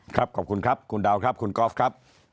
ขอบคุณครับคุณดาวครับคุณกอล์ฟครับ